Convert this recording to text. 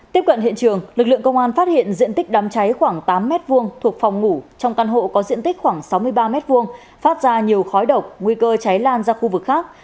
tiếp cận hiện trường lực lượng công an phát hiện diện tích đám cháy khoảng tám m hai thuộc phòng ngủ trong căn hộ có diện tích khoảng sáu mươi ba m hai phát ra nhiều khói độc nguy cơ cháy lan ra khu vực khác